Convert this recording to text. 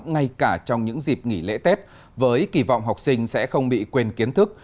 ngay cả trong những dịp nghỉ lễ tết với kỳ vọng học sinh sẽ không bị quên kiến thức